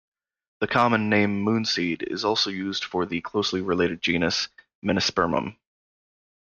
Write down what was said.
The common name Moonseed is also used for the closely related genus "Menispermum".